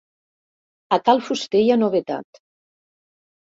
A cal fuster hi ha novetat.